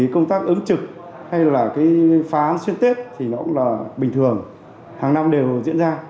công tác ứng trực hay phá án xuyên tết cũng bình thường hàng năm đều diễn ra